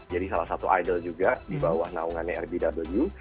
jadi salah satu idol juga di bawah naungannya rbw